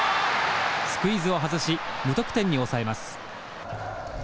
スクイズを外し無得点に抑えます。